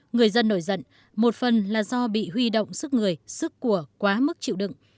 người dân nổi giận một phần là do bị huy động sức người sức của quá mức chịu đựng